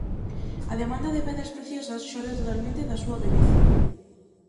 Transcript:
A demanda de pedras preciosas xorde totalmente da súa beleza.